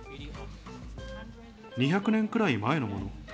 ２００年くらい前のもの。